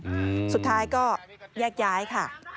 อืมสุดท้ายก็แยกย้ายค่ะ